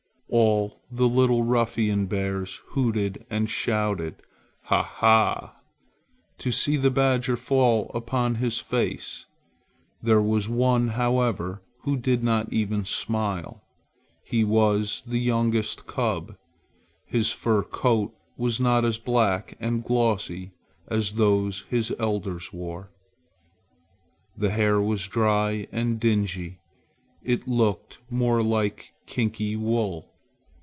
All the little ruffian bears hooted and shouted "ha ha!" to see the beggar fall upon his face. There was one, however, who did not even smile. He was the youngest cub. His fur coat was not as black and glossy as those his elders wore. The hair was dry and dingy. It looked much more like kinky wool.